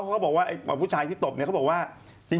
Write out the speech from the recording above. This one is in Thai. เขาก็บอกว่าพีคตกอีกผู้ชายที่ตบเนี่ย